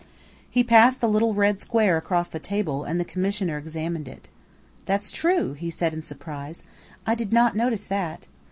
He passed the little red square across the table, and the Commissioner examined it. "That's true," he said in surprise. "I did not notice that.